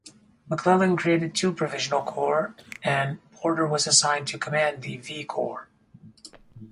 McClellan created two provisional corps and Porter was assigned to command the V Corps.